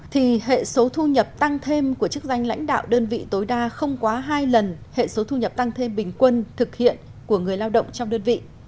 thì hệ số thu nhập tăng thêm của chức danh lãnh đạo đơn vị tối đa không quá hai lần hệ số thu nhập tăng thêm bình quân thực hiện của người lao động trong đơn vị